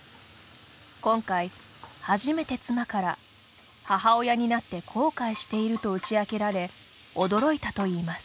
今回、初めて妻から母親になって後悔していると打ち明けられ驚いたといいます。